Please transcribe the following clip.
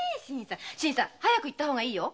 早く行った方がいいよ。